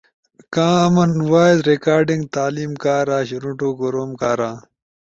کامن وائس ریکارڈنگ تعلیم کارا، شنوٹو کوروم کارا،